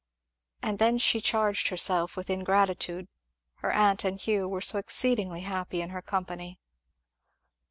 And then she charged herself with ingratitude, her aunt and Hugh were so exceedingly happy in her company.